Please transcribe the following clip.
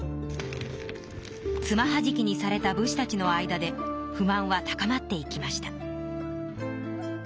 つまはじきにされた武士たちの間で不満は高まっていきました。